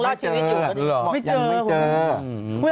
ไม่เจอเหรอพี่มึงเหรอไม่เจอ